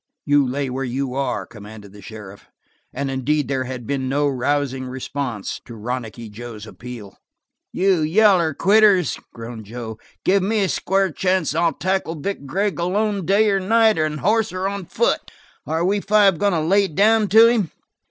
"You lay where you are," commanded the sheriff, and indeed there had been no rousing response to Ronicky Joe's appeal. "You yaller quitters," groaned Joe. "Give me a square chance and I'll tackle Vic Gregg alone day or night, on hoss or on foot. Are we five goin' to lay down to him?"